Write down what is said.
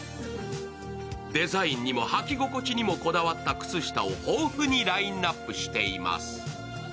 デザインにも履き心地にもこだわった靴下を豊富にラインナップしています。